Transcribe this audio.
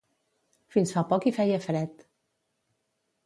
Fins fa poc hi feia fred.